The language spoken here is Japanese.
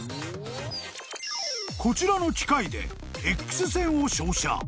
［こちらの機械でエックス線を照射］